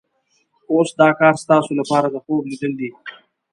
اوس دا کار ستاسو لپاره د خوب لیدل دي.